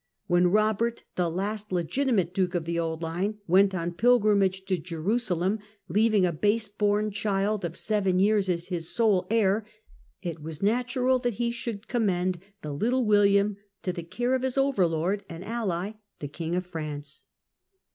When Eobert, the last legitimate duke of the old line, went on pilgrimage to Jerusalem, leaving a base born child of seven years old as his sole heir, it was natural that he should commend the little William to the care of his overlord and ally the King of France.